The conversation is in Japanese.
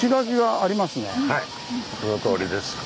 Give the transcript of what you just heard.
はいそのとおりです。